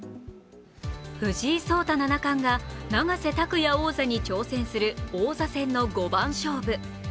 藤井聡太七冠が永瀬拓矢王座に挑戦する王座戦の五番勝負。